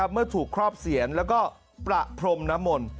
เมื่อถูกครอบเสียนแล้วก็ประพรมน้ำมนต์